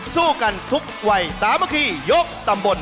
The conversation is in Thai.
สู้กันทุกวัยสามัคคียกตำบล